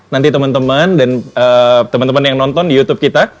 nanti teman teman dan teman teman yang nonton di youtube kita